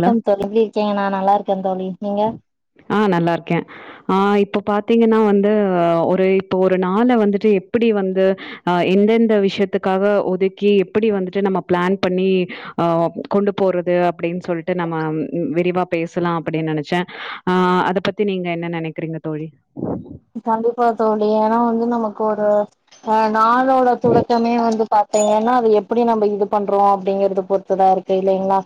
ங்களா தேழி எப்டி இருக்கீங்க நா நல்லா இருக்கே தோழி நீங்க ஆ நல்லா இருக்கே ஆ இப்ப பாத்தீங்கனா வந்து ஒரு இப்ப ஒரு நாள வந்துட்டு எப்டி வந்து அ எந்தெந்த விஷயத்துக்காக ஒதுக்கி எப்டி வந்துட்டு நம்ம ப்ளான் பண்ணி ஆ கொண்டு போறது அப்டின்னு சொல் ட்டு நம்ம விரிவா பேசலா அப்டின்னு நெனைச்சே ஆ அத பத்தி நீங்க என்ன நெனைக்கிறீங்க தோழி உஹ கண்டிப்பா தோழி ஏனா வந்து நமக்கு ஒரு அ நாளோட தொடக்கமே வந்து பாத்தீங்கன்னா அது எப்டி நம்ப இது பண்றோ அப்படிங்கறது பொருத்துதா இருக்கு இல்லீங்களா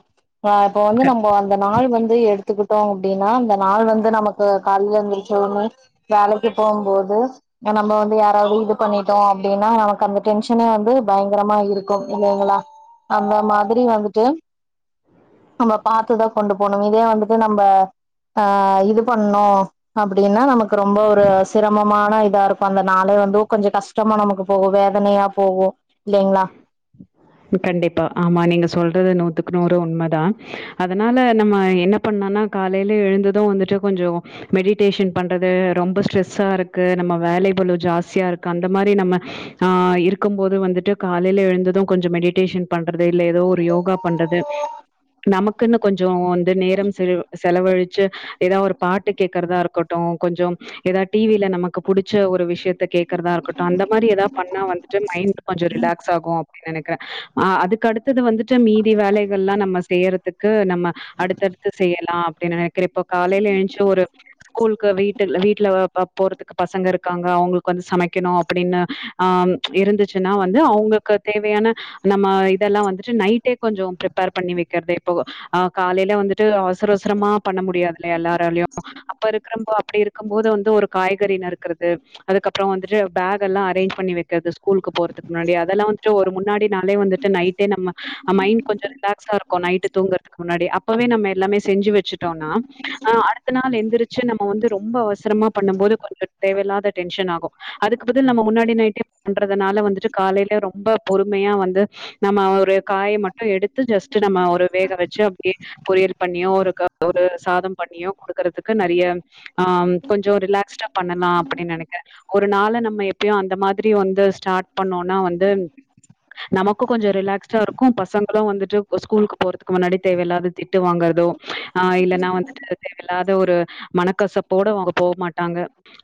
ஆ இப்ப வந்து நம்ம அந்த நாள் வந்து எடுத் துக்கிட்டோ அப்டின்னா இந்த நாள் வந்து நமக்கு காலைய இருந்துச்சோ வேலைக்கு போம்போது நம்ப வந்து யாராவது இது பண்ணிட்டோ அப்டினா நமக்கு அந்த டென்ஷனே வந்து பயங்கரமா இருக்கு இல்லைங்களா அந்த மாதிரி வந்துட்டு நம்ப பாத்துதா கொண்டு போணு இதே வந்துட்டு நம்ப ஆ இது பண்ணு அப்டினா நமக்கு ரொம்ப ஒரு சிரமம் மான இதா இருக்கு அந்த நாளே வந்து கொஞ்ச கஷ்டமா நமக்கு போகு வேதனையா போகு இல்லைங்களா கண்டிப்பா ஆமா நீங்க சொல்றது நூத்துக்கு நூறு உண்மைதா அதனால நம்ம என்ன பண்ணனா காலைல எழுந்தது வந்துட்டு கொஞ்சோ மெடிடேஷன் பண்றது ரொம்ப ஸ்ட்ரெஸ்ஸா இருக்கு நம்ம வேலை பொலவு ஜாஸ்தியா இருக்கு அந்த மாதிரி நம்ம ஆ இருக்கும் போது வந்துட்டு காலைல எழுந்ததும் கொஞ்சம் மெடிேஷன் பண்றது இல்ல ஏதோ ஒரு யோகா பண்றது நமக்குன்னு கொஞ்சோ இந்த நேரம் செல செலவழிச்சு ஏதா ஒரு பாட்டு கேக்றதா இருக்கட்டு கொஞ்சம் ஏதா டி வி ல நமக்கு புடிச்ச ஒரு விஷயத்த கே க்றதா இருக்கட்டு அந்த மாரி ஏதா பண்ணா வந்துட்டு மைண்ட் கொஞ்ச ரிலாக்ஸ் ஆகு அப்டினு நெனைக்றே அதுக்கடுத் து வந்துட்டு மீதி வேலைகள்ல்லா நம்ம செய்யறதுக்கு நம்ம அடுத்தடுத்து செய்யலா அப்படின்னு ந இப்ப காலைல எழுச்சு ஒரு கூல் வீட்டு வீட்ல போறதுக்கு பசங்க இருக்காங்க அவங்ளுக்கு வந்து சமைக்கணு அப்டின்னு ஆ இருந்துச்சுனா வந்து அவங்க தேவையான நம்ம இதெல்லா வந்துட்டு நைட்டே கொஞ்ச ப்ரிப்பேர் பண்ணி வைக்கறது இப்போ ஆ காலைல வந்துட்டு அவசர அவசரமா பண்ண முடியாதுல்ல எல்லாராலயு அப்ப இருக்கிறப்போ அப்டி இருக்கும் போது வந்து ஒரு காய்கறி நருக்கறது அதுக்கப்புறோ வந்துட்டு பேக் எல்லா அரேஞ்ச் பண்ணி வைக்கற்து ஸ்கூலுக்கு போறதுக்கு முன்னாடி அதெல்லா வந்து ஒரு முன்னாடி நாளே வந்துட்டு நைட்டே நம்ம அ மைண்ட் கொஞ்ச ரிலாக்ஸா இருக்கு நைட்டு் தூங்கற துக் முன்னாடி அப்பவே நம்ம எல்லாமே செஞ்சி வச்சிட்டோனா அ அடுத்த நாள் எந்திரி ச்ச நம்ம வந்து ரொம்ப அவசரமா பண்ண போது கொஞ்ச தேவல்லாத டென்ஷன் ஆகு அதுக்கு பதில் நம்ம முன்னாடி நைட்டே பண்றதுனால வந்துட்டு காலைல ரொம்ப பொறுமையா வந்து நம்ம ஒரு காய மட்டு எடுத்து ஜஸ்ட் நம்ம ஒரு வேக வச்சு அப்டியே பொறியல் பண்ணியோ ஒரு க ஒரு சாதம் பண்ணியோ குடுக்கறதுக்கு நெறைய ஆ ம் கொஞ்ச ரிலாக்ஸ்டா பண்ணலா அப்டின் நெனைக்கற ஒரு நாள நம்ம எப்பயு அந்த மாதிரி வந்து ஸ்டாட் பண்ணோனா வந்து நமக்கு கொஞ்ச ரிலாக்ஸ்டா இருக் க்கு பசங்களு வந்துட்டு ஸ்கூலுக்கு போறதுக் கு முன்னாடி தேவையில்லாத திட்டு வாங்கறதோ ஆ இல்லனா வந்துட்டு தேவையில்லாத ஒரு மனக்கசப்போட அவுங்க போ மாட்டாங்க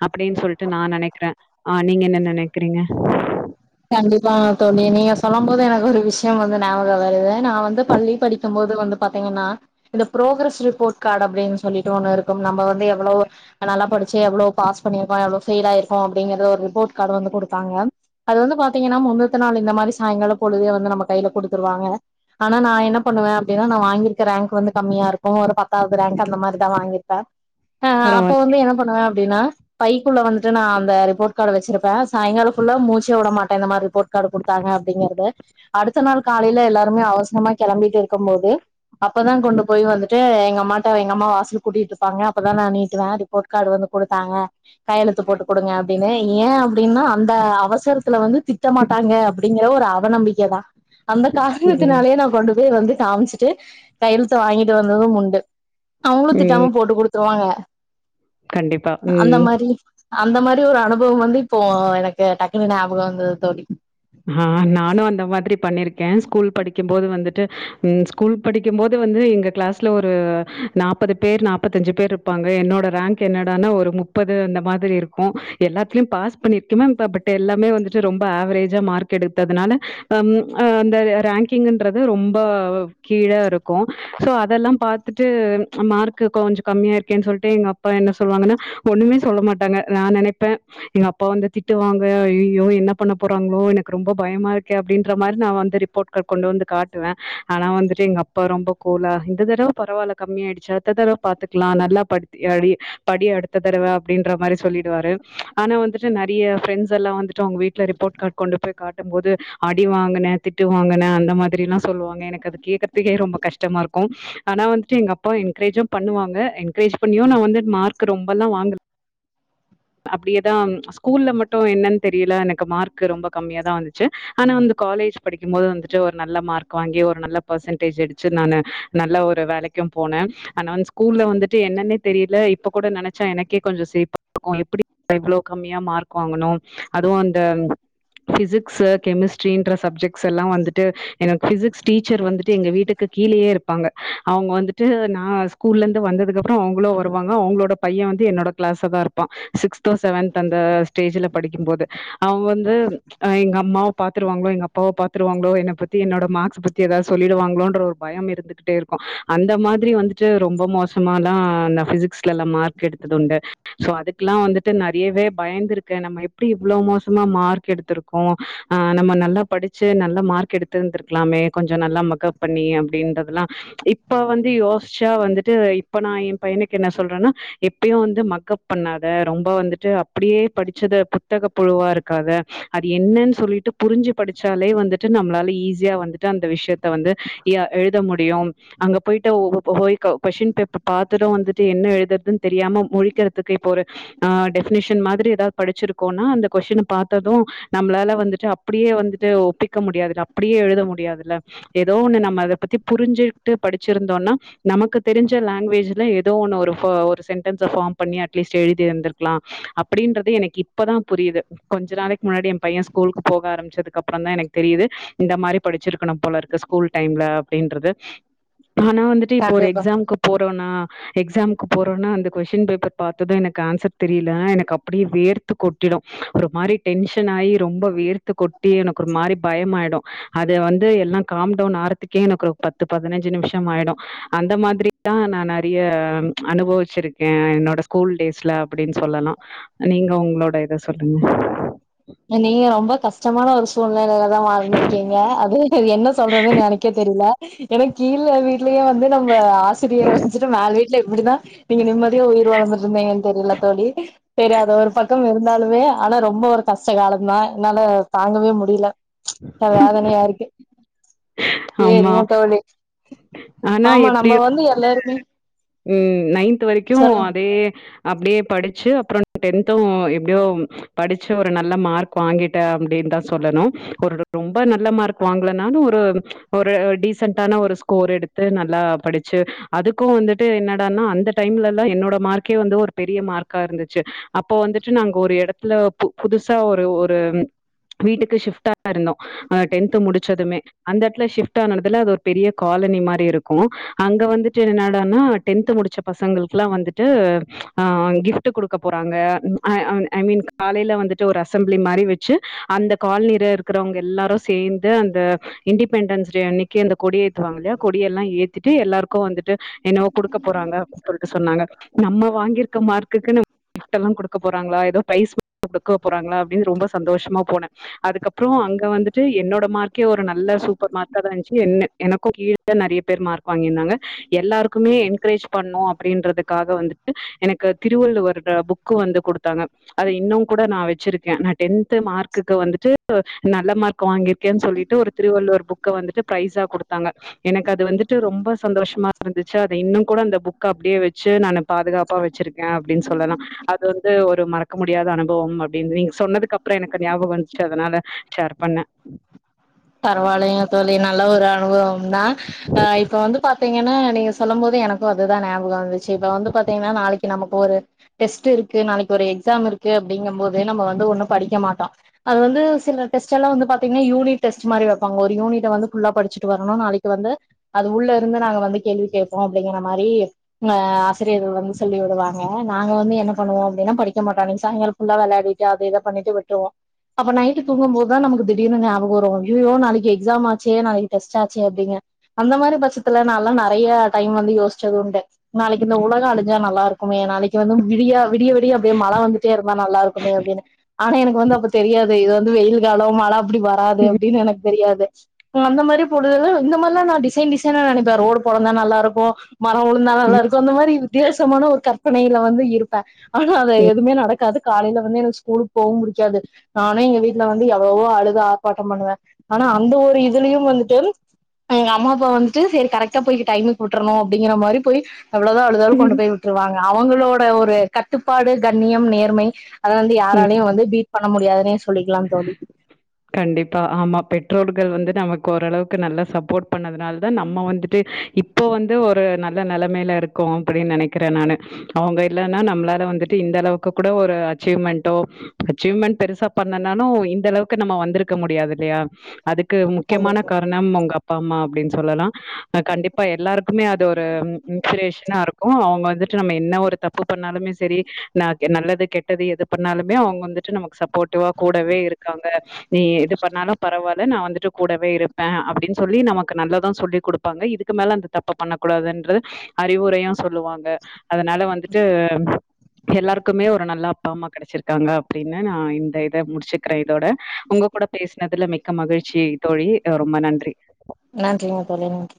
அப்டின் சொல்ட்டு நா நெனைக்ற ஆ நீங்க என்ன நெனைக்றீங்க கண்டிப்பா தோழி நீங்க சொல்லு போது எனக்கு ஒரு விஷிய வந்து ஞாபக வருது நா வந்து பள்ளி படிக்கு போது வந்து பாத்தீங்கன்னா இந்த புரோக்ரஸ் ரிப்போட் காட் அப்டின் சொல்லிட்டு ஒண்ணு இருக்கும் நம்ப வந்து எவ்வளோ நல்லா படிச்சி எவ்ளோ பாஸ் பண்ணிருக்கோ எவ்ளோ ஃபெயில் ஆயிருகோ அப்டிங்கிறத ஒரு ரிப்போட் காடு வந்து குடுத்தாங்க அது வந்து பாத்தீங்கனா முன்னுத்து நாள் இந்த மாரி சாயங்கால பொழுதே வந்து நம்ம கைல குடுத்துருவாங்க ஆனா நா என்ன பண்ணுவே அப்டினா நா வாங்கிருக்க ரேங்க் வந்து கம்மியா இருக்கு ஒரு பத்தாவது ரேங்க் அந்த மாரிதா வாங்கிருப்பே ஆ அப்போ பரவால்ல வந்து என்ன பண்ணுவே அப்டினா பைக்குள்ள வந்துட்டு நா அந்த ரிப்போட் காட வச்சிருப்பே சாயங்கால குள்ள மூச் சு வுடமாட்டே இந்த மாரி ரிப்போர்க் கார்டு குடுத்தாங்க அப்டிங்கிறத அடுத்த நாள் காலையில எல்லாருமே அவசரமா கெளம்பிட் இருக்கு போது அப்பதா கொண்டு போய் வந்துட்டு எங்க அம்மாட்ட எங்க அம்மா வாசல் கூட்டிட்டு இருப்பாங்க அப்பதா நா நீட்டுவே அது போட் கார்டு வந்து குடுத்தாங்க கையெழுத்து போட்டு குடுங்க அப்டினு ஏ அப்டினா அந்த அவசரத் இதுல வந்து திட்ட மாட்டாங்க அப்டிங்கிற ஒரு அவ நம்பிக்க தா அந்த ம் காரணத்தினாலேயே நா கொண்டு போய் வந்து காம்ச்சிட்டு கையெழுத்த வாங்கிட்டு வந்தது உண்டு அவுங்களு ம் திட்டாம போட்டு குடுத்துருவாங்க கண்டிப்பா அந்த ம் மாரி அந்த மாரி ஒரு அனுபவ வந்து இப்போ எனக்கு டக்குனு நியா பக வந்தது தோழி ஆ நானு அந்த மாதிரி பண்ணிருக்கே ஸ்கூல் படிக்கு போது வந்துட்டு ம் ஸ்கூல் படிக்கு போது வந்து எங்க கிளாஸ்ல ஒரு நாப்பது பேர் நாப்பத்தஞ்சி பேருப் பாங்க என்னோட ரேங்க் என்னடானா ஒரு முப்பது அந்த மாதிரி இருக்கு எல்லாத்திலியு பாஸ் பண்ண இருக்கு மேம் ப பட்டு எல்லாமே வந்துட்டு ரொம்ப ஆவரேஜ் ச மார்க் எடுத்ததுனால அம் ஆ அந்த ரேங்கிங்ன்றது ரொம்ப கீழ இருக்கு சோ அதெல்லா பாத்துட்டு மார்க்கு கொஞ்ச கம்மியா இருக்கேன் சொல்ட்டு எங்க அப்பா என்ன சொல்வாங்கனா ஒண்ணுமே சொல்ல மாட்டாங்க நா நெனைப்பே எங்க அப்பா வந்து திட்டு வாங்க ஐயையோ என்ன பண்ண போர் டங்கோ எனக்கு ரொம்ப பயமா இருக்கே அப்டின்ற மாரி நா. வந்து ரிப்போட் காட் கொண்டு வந்து காட்டுவே ஆனா வந்துட்டு எங்க அப் அப்பா ரொம்ப கூலா இந்த தரவ பரவாயில்ல கம்மியாயிடுச்சி அடுத்த தரவ பாத்துக்கலா நல்லா படுத்தி அடி படி அடுத்த தடவ அப்டின்ற மாரி சொல்லிடுவாரு ஆனா வந்துட்டு நெறைய ஃபிரண்ட்ஸ் எல்லா வந்துட்டு அவுங்க வீட்ல ரிப் போட் காட் கொண்டு போய் காட்டு போது அடி வாங்கனே திட்டு வாங்கனே அந்த மாதிரிலா சொல்லுவாங்க எனக்கு அது கேக்குறதுக்கே ரொம்ப கஷ்டமா இருக்கு ஆனா வந்துட்டு எங்க அப்பா என்கரேஜு பண்ணுவங்க என்கரேஜ் பண்ணியு நா வந்து மார்க் ரொம்பெல்லா வாங்கல அப்டியேதா ஸ்கூல்ல மட்டு என்னன் தெரியில எனக்கு மார்க் ரொம்ப கம்மிய தா வந்துச்சி ஆனா அந்த காலேஜ் படிக்கும் போது வந்துட்டு ஒரு நல்ல மார்க் வாங்கி ஒரு நல்ல பெர்சன்டேஜ் அடிச்சு நானு நல்ல ஒரு வேலைக்கு போனே ஆனா அந்த ஸ்கூல்ல வந்துட்டு என்னன்னே தெரியல இப்ப கூட நெனச்சா எனக்கே கொஞ்ச சிரிப் ஆ எப்டி இவ்ளோ கம்மியா மார்க் வாங்குனோ அதுவு அந்த ஃபிசிக்ஸு கெமிஸ்ட்ரின்ற சப்ஜெக்ட் ஸெல்லா வந்துட்டு எனக்கு ஃபிசிக்ஸ் டீச்சர் வந்துட்டு எங்க வீட்டுக்கு கீழயே இருப் பாங்க அவ்ங்க வந்துட்டு நா ஸ்கூல்ல இருந்து வந்ததுக்கு அப்றோ அவ்ங்களும் வருவாங்க அவ்ங்களோட பைய வந்து என்னோட கிளாஸ்லதா இருப் ப்பா சிக்ஸ்த்து செவன்த்து அந்த ஸ்டேஜ்ல படிக்கும்போது அவ்ங்க வந்து அ எங்க அம்மாவ பாத்துருவாங்களோ எங்க அப்பாவ பாத்துருவாங்களோ என்ன பத்தி என்னோட மார்க்ஸ் பத் தி எதாது சொல்லிடுவாங்ளோன்ற ஒரு பயம் இருந்துகிட்டே இருக்கு அந்த மாதிரி வந்துட்டு ரொம்ப மோசமாலா நா ஃபிசிக்ஸ் கெல்ல மார்க் எடுத்ததுண்டு சோ அதுக்குலா வந்துட்டு நெறையவே பயந்திருக்கே நம்ம எப்டி இவ்ளோ மோசமா மார்க் எடுத்திருக் கோ ஆ நம்ம நல்லா படிச்சு நல்ல மார்க் எடுத்திருந்திருக்கலாமே கொஞ்ச நல்லா மக்கப் பண்ணி அப்டின்றதுலா இப்ப வந்து யோசுச்சா வந்துட்டு இப்ப நா எ பையனுக்கு என்ன சொல்றனா எப்பயு வந்து மக்கப் பண்ணாத ரொம்ப வந்துட்டு அப்டியே படிச்சத புத்தக புழுவா இருக்காத அது என்னன் சொல்லிட்டு புரிஞ்சி படிச்சாலே வந்துட்டு நம்மளால ஈஸியா வந்துட்டு அந்த விஷ்யத்த வந்து யா எழுத முடியும் அங்க போயிட்டு ஒ போய் கொ கொஷ்டின் பேப்பர் பாத்தது வந்துட்டு என்ன எழுதற்துன் தெரியாம முழிக்கற த்துக்கு இப்ப ஒரு ஆ டெஃபனிஷன் மாதிரி எதாவ்து படிச்சிருக்கோனா அந்த கொஷ்டின பாத்தது நம்மளால வந்துட்டு அப்டியே வந்துட்டு ஒப்பிக்க முடியாதுல அப்டியே எழுத முடியாதுல்ல எதோ ஒன்னு நம்ம அத பத்தி புரிஞ்சுட்டு படிச்சிருந்தோனா நமக்கு தெரிஞ்ச லாங்குவேஜுல எதோ ஒன்னு ஒரு ஃபா ஒரு சென்டன்ஸா ஃபார்ம் பண்ணி அட்லீஸ்ட் எழுதிருந்துருக்கலா அப்பிடின்றது எனக்கு இப்பதா புரியுது கொஞ்ச நாளைக்கு முன்னாடி எ பைய ஸ்கூலுக்கு போக ஆரம்மிச்சதுக்கப்றந்தா எனக்கு தெரியுது இந்த மாரி படிச்சிருக்கணு போல இருக்கு ஸ்கூல் டைம்ல அப்டின்றது ஆனா வந்து து இப்ப ஒரு கண்டிப்பா எக்ஸாம்க்கு போறோனா எக்ஸாம்க்கு போறோனா அந்த கொஸ்டின் பேப்பர் பாத்தது எனக்கு ஆன்சர் தெரியலனா எனக்கு அப்டியே வேர்த்து கொட்டிடு ஒரு மாரி டென்ஷன் ஆகி ரொம்ப வேர்த் த்து கொட்டி எனக்கு ஒரு மாரி பயமாயிடு அத வந்து எல்லா காம்டவுன் ஆறத்துக்கே எனக்கு ஒரு பத்து பதினஞ்சு நிம்ஷம் ஆயிடு அந்த மாதிரிதா நா நெறைய அனுபவிச்சிருக்கே என்னோட ஸ் கூல் டேஸ்ல அப்டின் சொல்லலா நீங்க உங்களோட இத சொல்லுங்க அ நீங்க ரொம்ப கஷ்டமான ஒரு சூழ்நிலைலதா வாழ்ந்திருக்கீங்க அது அது என்ன சொல்றதுன் எனக்கே தெரியல ஏனா கீழ வீட் ட்லயே வந்து நம்ம ஆசிரியர வச்சுட்டு மேல் வீட்ல எப்டிதா நீங்க நிம்மதியா உயிர் வாழ்ந்துட்ருந்தீங்கன் தெர்ல தோழி சேரி அது ஒரு பக்கம் இருந்தாலுமே ஆனா ரொம்ப ஒரு கஷ்ட காலந்தா என்னால தாங்கவே முடியல அ வேதனையா இருக்கு ஆமா. சேரிங்க தோழி ஆனா ஆமா எப்படி நம்ப வந்து எல்லாருக்குமே ம் நைன்த்து வரைக்கு அதே அப்டியே படிச்சு அப்றோ டென்த்து எப்டியோ படிச்சு ஒரு நல்ல மார்க் வாங்கிட்டே அப்டின் தா சொல்லணு ஒரு ரொம்ப நல்ல மார்க் வாங்கலனாலு ஒரு ஒரு டீசண்டான ஒரு ஸ்கோர் எடுத்து நல்லா படிச்சு அதுக்கு வந்துட் டு என்னடானா அந்த டைம்லல்லா என்னோட மார்க்கே வந்து ஒரு பெரிய மார்க்கா இருந்துச்சு அப்போ வந்துட்டு நாங்க ஒரு எடத்துல பு புதுசா ஒரு ஒரு ம் வீட்டுக்கு ஷிஃப்டாக இருந்தோ அ டென்து முடிச்சதுமே அந்த இடத்துல ஷிஃப்ட் ஆனதுல அது ஒரு பெரிய காலனி மாரி இருக்கும் அங்க வந்துட்டு என்னடானா டென்து முடிச்ச பசங்களுக்குல்லாம் வந்துட்டு ஆ கிப்ட் குடுக்க போறாங்க அ அ ஐ மீன் காலையில வந்துட்டு ஒரு அசம்பிளிமாதிரி வச்சு அந்த காலனில இருக்கிறவங்க எல்லாரும் சேர்ந்து அந்த இண்டடிபெண்டன்ஸ் டே அன்னிக்கு அந்த கொடி ஏத்துவாங்க இல்லையா கொடிய எல்லாம் ஏத்திட்டு எல்லாருக்கும் வந்துட்டு என்னோ குடுக்க போறாங்க சொல்ட்டு சொன்னாங்க நம்ம வாங்கியிருக்க மார்க்குக்குன்னு கிஃப்டல்லாம் குடுக்க போறாங்களா ஏதோ ப்ரைஸ் குடுக்க போறாங்களா அப்டின்னு ரொம்ப சந்தோஷமா போனேன் அதுக்கப்புறம் அங்க வந்துட்டு என்னோட மார்க்கே ஒரு நல்ல சூப்பர் மார்க்கா தான் இருந்துச்சு என்ன எனக்கும் கீழே நிறைய பேர் மார்க் வாங்கி இருந்தாங்க எல்லார் க்குமே என்கரேஜ் பண்ணும் அப்டின்றதுக்காக வந்துட்டு எனக்கு திருவள்ளவர் அ புக்கு வந்து குடுத்தாங்க அத இன்னும் கூட நான் வச்சிருக்கேன் நான் டென்த் மார்க்குக்கு வந்துட்டு நல்ல மார்க் வாங்கியிருக்கேன்னு சொல்லிட்டு ஒரு திருவள்ளுவர் புக்க வந்துட்டு பிரைஸா குடுத்தாங்க எனக்கு அது வந்துட்டு ரொம்ப சந்தோஷமா இருந்துச் ச அத இன்னும் கூட அந்த புக் அப்டியே வச்சு நான் பாதுகாப்பா வச்சிருக்கேன் அப்டின்னு சொல்லலாம் அது வந்து ஒரு மறக்க முடியாத அனுபவம் அப்டின்னு நீங்க சொன்னதுக்கு அப்புறம் எனக்கு ஞாபகம் வந்துச்சு அதனால ஷார் பண்ண பரவாயில்ங்க தோழி நல்ல ஒரு அனுபவம் தான் ஆ இப்ப வந்து பாத்தீங்கன்னா நீங்க சொல்லும் போது எனக்கும் அதுதான் ஞாபகம் வந்துச்சு இப்ப வந்து பாத்தீங்கன்னா நாளைக்கு நமக்கு ஒரு டெஸ்ட் இருக்கு நாளைக்கு ஒரு எக்ஸாம் இருக்கு அப்டிங்கும் போது நம்ம வந்து ஒண்ணும் படிக்க மாட்டோம் அது வந்து சில டெஸ்ட் எல்லாம் வந்து பாத்தீங்கன்னா யூனிட் டெஸ்ட் மாரி வைப்பாங்க ஒரு யூனிட்ட வந்து புல்லா படிச்சட்டு வரணும் நாளைக்கு வந்து அது உள்ள இருந்து நாங்க வந்து கேள்வி கேட்போம் அப்டிங்கிற மாதிரி அ ஆசிரியர்கள் வந்து சொல்லி விடுவாங்க அ நாங்க வந்து என்ன பண்ணுவோம் அப்டின்னா படிக்க மாட்டோ அன்னைக்கு சாயங்கலம் புல்லா விளையாடிட்டு அத இத பண்ணிட்டு விற்றுவோம் அப்ப நைட்டு தூங்கபோதான் நமக்கு திடீர்னு நியாபக ம் வரும் அய்யய்யோ நாளைக்கு எக்ஸாம் ஆச்சே நாளைக்கு டெஸ்ட் ஆச்சே அப்டிங்க அந்த மாதிரி பட்சத்துல நான்லாம் நிறைய டைம் வந்து யோசிச்சது உண்டு நாளைக்கு இந்த உலகம் அழிஞ்சா நல்லா இருக் குமே நாளைக்கு வந்து விடியா விடிய விடிய அப்டியே மழை வந்துட்டே இருந்தா நல்லா இருக்குமே அப்டின்னு ஆனா எனக்கு வந்து அப்ப தெரியாது இது வந்து வெயில் காலம் மழை அப்டி வ அது எப்டின்னு எனக்கு தெரியாது அந்த மாதிரி பொழுத இந்த மார் ல்லா நான் டிசைன் டிசைனா நினைப்பேன் ரோடு போலந்தான் நல்லாருக்கும் மரம் விழுந்தா நல்ல இருக்கும் அந்த மாரி வித்தியாசமான ஒரு கற்பனையில வந்து இருப்பேன் ஆனா அத எதுவுமே நடக்காது காலையில வந்து எனக்கு ஸ்கூலுக்கு போகவும் புடிக்காது நானும் எங்க வீட்ல வந்து எவ்ளவோ அழுகா ஆர்பாட்டம் பண்ணுவேன் ஆனா அந்த ஒரு இதுலயும் வந்துட்டு எங்க அம்மா அப்பா வந்துட்டு சரி கரெக்டா போய்க டைமுக்கு விட்டுறணும் அப்டிங்க மாரி போய் எவ்ளோதா அழுதாலு கொண்டு போய் விட்டுருவாங்க அவங்களோட ஒரு கட்டுப்பாடு கண்ணியம் நேர்மை அத வந்து யாராலயையும் வந்து பீட் பண்ண முடியாதுன்னே சொல்லிக்கலாம் தோழி கண்டிப்பா ஆமா பெற்றோர்கள் வந்து நமக்கு ஓரளவுக்கு நல்லா சப்போர்ட் பண்ணதுனால தான் நம்ம வந்துட்டு இப் போ வந்து ஒரு நல்ல நிலைமையில இருக்கோம் அப்டின்னு நினைக்கிறேன் நானு அவங்க இல்லன்னா நம்மளால வந்துட்டு இந்த அளவுக்கு கூட ஒரு அச்சீவ்மெண்ட்டோ அச்சீவ்மெண்ட் பெருசா பண்ணேனாலும் இந்தளவ் க்கு நம்ம வந்திருக்க முடியாது இல்லையா அதுக்கு முக்கியமான கண்டிப்பா காரணம் உங்க அப் அப்பா அம்மா அப்டின்னு சொல்லலாம் கண்டிப்பா எல்லாருக்குமே அது ஒரு இன்ஸ்பிரேஷனா இரு க்கும் அவங்க வந்துட்டு நம்ம என்ன ஒரு தப்பு பண்ணாலுமே சேரி ந நல்லது கெட்டது எது பண்ணாலுமே அவங்க வந்துட்டு நமக்கு சப்போர்ட்டிவா கூடவே இருக்காங்க நீ இது பண்ணாலும் பரவாயில்ல நான் வந்துட்டு கூடவே இருப்பேன் அப்டின்னு சொல்லி நமக்கு நல்லதான் சொல்லி் கொடுப் ப்பங்க இதுக்கு மேல அந்த தப்ப பண்ணக்கூடாதுன்றது அறிவுரையு சொல்லுவாங்க அதனால வந்துட்டு எல்லாருக்குமே ஒரு நல்ல அப்பா அம்மா கெடச்சிருக்காங்க அப்டினு நா இந்த இத முடிச்சுக்கிறேன் இதோட உங்க கூட பேஸ்னதுல மிக்க மகிழ்ச்சி தோழி அ ரொம்ப நன்றி நன்றிங்க தோழி நன்றி